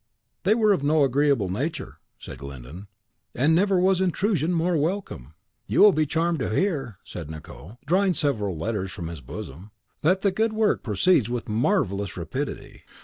"They were of no agreeable nature," said Glyndon; "and never was intrusion more welcome." "You will be charmed to hear," said Nicot, drawing several letters from his bosom, "that the good work proceeds with marvellous rapidity.